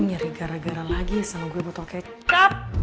lo nyari gara gara lagi sama gue botol kecap